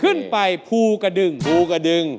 เข้าไปภูกระดึง